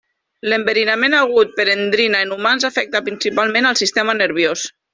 L'enverinament agut per endrina en humans afecta principalment el sistema nerviós.